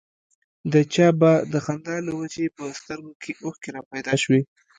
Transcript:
د چا به د خندا له وجې په سترګو کې اوښکې را پيدا شوې.